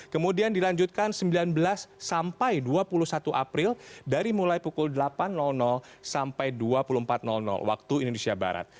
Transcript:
kemudian dilanjutkan sembilan belas sampai dua puluh satu april dari mulai pukul delapan sampai dua puluh empat waktu indonesia barat